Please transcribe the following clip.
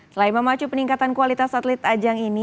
selain memacu peningkatan kualitas atlet ajang ini